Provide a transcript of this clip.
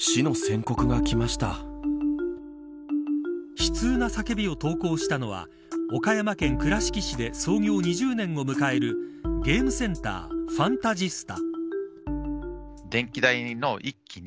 悲痛な叫びを投稿したのは岡山県倉敷市で創業２０年を迎えるゲームセンターファンタジスタ。